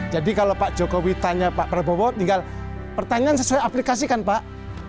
jadi kalau pak jokowi tanya pak prabowo tinggal pertanyaan sesuai aplikasi kan pak